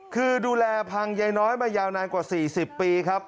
คือดูแลพังยายน้อยมายาวนานกว่า๔๐ปีครับ